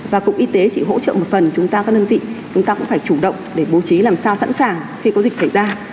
và cụm y tế chỉ hỗ trợ một phần chúng ta các đơn vị chúng ta cũng phải chủ động để bố trí làm sao sẵn sàng khi có dịch xảy ra